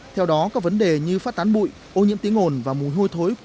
theo đó các vấn đề như phát tán bụi ô nhiễm tiếng ồn và mùi hôi thối